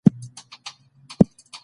درنه